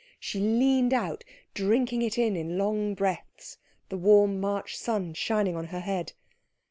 She leaned out, drinking it in in long breaths, the warm March sun shining on her head.